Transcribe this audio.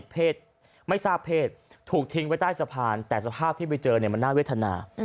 เพศไม่ทราบเพศถูกทิ้งไว้ใต้สะพานแต่สภาพที่ไปเจอเนี่ยมันน่าเวทนา